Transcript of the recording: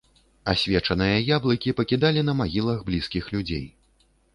Асвечаныя яблыкі пакідалі на магілах блізкіх людзей.